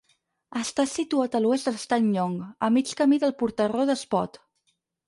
Està situat a l'oest de l'Estany Llong, a mig camí del Portarró d'Espot.